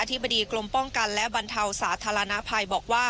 ธิบดีกรมป้องกันและบรรเทาสาธารณภัยบอกว่า